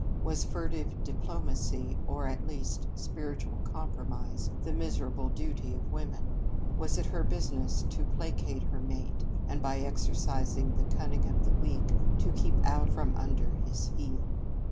Was furtive diplomacy, or, at least, spiritual compromise, the miserable duty of woman? Was it her business to placate her mate, and, by exercising the cunning of the weak, to keep out from under his heel?